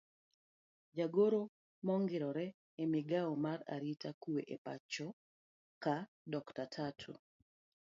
Jagoro maongirore e migao mar arita kwe e pachoka dr.Tatu